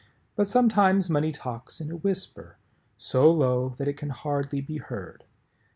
But sometimes money talks in a whisper, so low that it can hardly be heard.